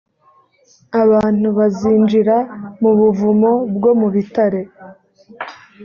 abantu bazinjira mu buvumo bwo mu bitare